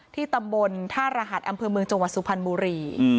ที่ตำบลท่ารหัสอำเภอเมืองจังหวัดสุพรรณบุรี